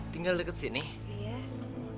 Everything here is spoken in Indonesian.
jangan harus uwik doi l transactioneu